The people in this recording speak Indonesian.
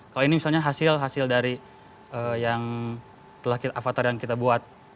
kalau ini misalnya hasil hasil dari yang telah kita avatar dan kita buat